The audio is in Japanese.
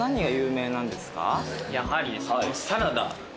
やはりサラダ。